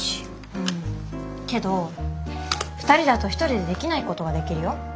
うんけど２人だと１人でできないことができるよ？